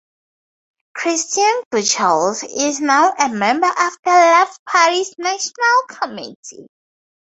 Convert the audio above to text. Christine Buchholz is now a member of the Left Party's National Committee.